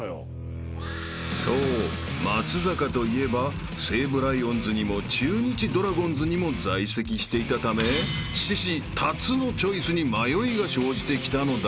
［そう松坂といえば西武ライオンズにも中日ドラゴンズにも在籍していたため獅子竜のチョイスに迷いが生じてきたのだ］